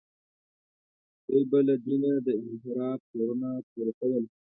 دوی به له دینه د انحراف تورونه پورې کول.